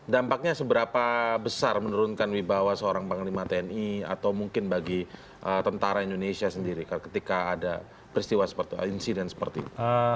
dampaknya seberapa besar menurunkan wibawa seorang panglima tni atau mungkin bagi tentara indonesia sendiri ketika ada peristiwa seperti insiden seperti itu